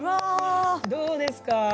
どうですか？